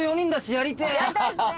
やりたいですね。